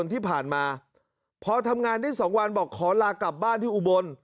ที่ผ่านมาพอทำงานได้๒วันบอกขอลากลับบ้านที่อุบล